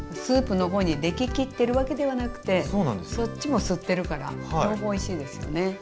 スープの方にでき切ってるわけではなくてそっちも吸ってるから両方おいしいですよね。